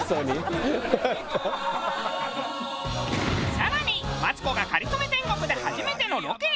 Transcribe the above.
更にマツコが『かりそめ天国』で初めてのロケへ。